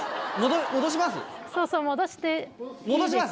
戻します？